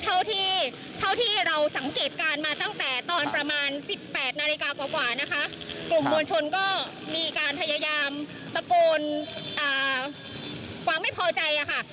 เท่าที่เท่าที่เราสังเกตการณ์มาตั้งแต่ตอนประมาณสิบแปดนาฬิกากว่านะคะกลุ่มมวลชนก็มีการพยายามตะโกนความไม่พอใจค่ะ